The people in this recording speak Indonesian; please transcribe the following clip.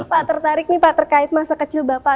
pak tertarik nih pak terkait masa kecil bapak